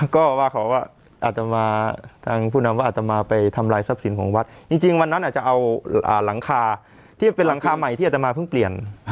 ก็ว่าเขาก็อาจจะมาทางผู้นำว่าอัตมาไปทำลายทรัพย์สินของวัดจริงวันนั้นอาจจะเอาหลังคาที่เป็นหลังคาใหม่ที่อัตมาเพิ่งเปลี่ยน